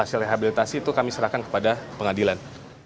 hasil rehabilitasi itu kami serahkan kepada pengadilan